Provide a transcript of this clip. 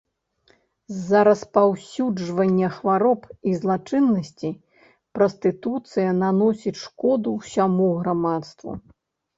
З-за распаўсюджвання хвароб і злачыннасці прастытуцыя наносіць шкоду ўсяму грамадству.